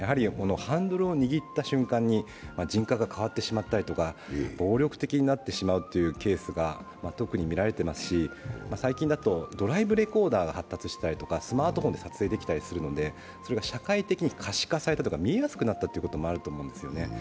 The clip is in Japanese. ハンドルを握った瞬間に人格が変わってしまうとか、暴力的になってしまうケースが特に見られてますし最近だとドライブレコーダーが発達していたりとか、スマートフォンで撮影できたりするんでそれが社会的に可視化された、見えやすくなったということもあると思うんですよね。